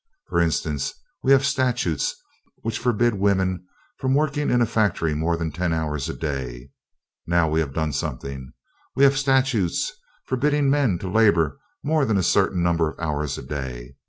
For instance, we have statutes which forbid women from working in a factory more than ten hours a day. Now, we have done something. (Laughter and applause). We have statutes forbidding men to labor more than a certain number of hours a day.